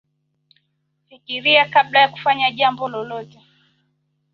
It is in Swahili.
Fikiria kabla ya kufanya jambo lolote.